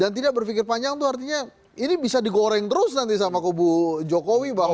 dan tidak berpikir panjang itu artinya ini bisa digoreng terus nanti sama ke bu jokowi bahwa